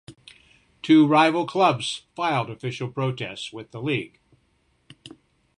Two rival clubs filed official protests with the league.